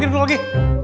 beri dukungan di